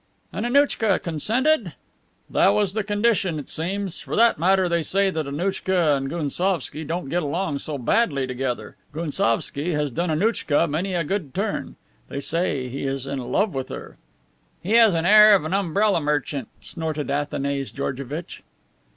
"And Annouchka consented?" "That was the condition, it seems. For that matter, they say that Annouchka and Gounsovski don't get along so badly together. Gounsovski has done Annouchka many a good turn. They say he is in love with her." "He has the air of an umbrella merchant," snorted Athanase Georgevitch.